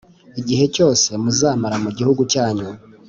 igihe cyose muzamara mu gihugu cyanyu